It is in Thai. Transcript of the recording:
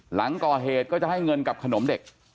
หลังก่อเหตุก็จะให้เงินกับขนมเด็ก